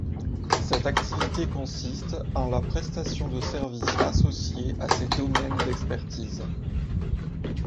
Cette activité consiste en la prestation de services associés à ses domaines d’expertise.